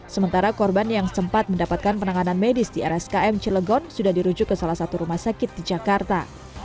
sementara korban yang sempat mendapatkan penanganan medis di rskm cilegon sudah dirujuk ke salah satu rumah sakit di jakarta